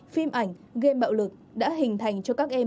phim ảnh game bạo lực đã hình thành cho các em